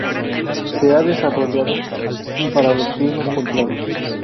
Se ha desarrollado para los climas templados.